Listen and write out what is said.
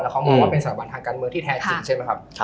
เขามองว่าเป็นสถาบันทางการเมืองที่แท้จริงใช่ไหมครับ